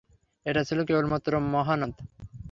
এটা ছিল কেবলমাত্র মহানাদ।